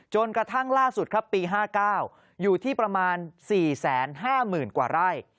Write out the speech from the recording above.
กระทั่งล่าสุดครับปี๕๙อยู่ที่ประมาณ๔๕๐๐๐กว่าไร่